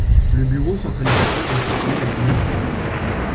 Le bureau centralisateur est situé à La Mure.